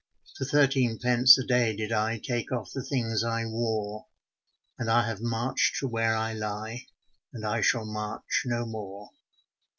For thirteen pence a day did I Take off the things I wore, And I have marched to where I lie, And I shall march no more.